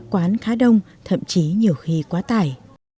quán khá đông thậm chí nhiều khi quá tải